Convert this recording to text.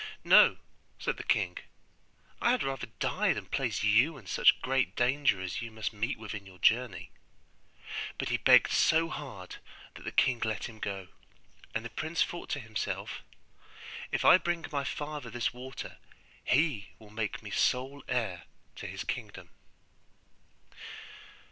'No,' said the king. 'I had rather die than place you in such great danger as you must meet with in your journey.' But he begged so hard that the king let him go; and the prince thought to himself, 'If I bring my father this water, he will make me sole heir to his kingdom.